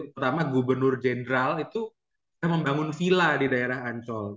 pertama gubernur jenderal itu membangun villa di daerah ancol